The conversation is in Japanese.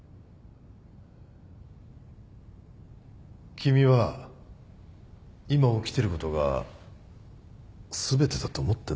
君は今起きてることが全てだと思ってんのか？